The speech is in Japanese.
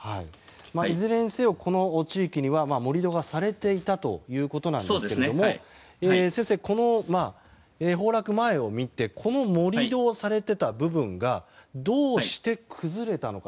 いずれにせよこの地域には盛り土がされていたということなんですけども先生、この崩落前を見てこの盛り土をされていた部分がどうして崩れたのか。